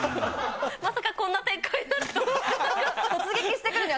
まさかこんな展開になるとは。